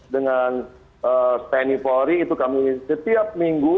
dengan standing for it itu kami setiap minggu